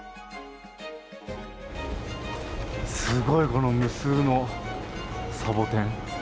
すごいこの無数のサボテン。